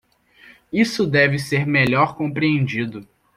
Isso deve ser melhor compreendido.